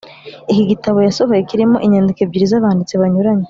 Iki gitabo yasohoye kirimo inyandiko ebyiri z’abanditsi banyuranye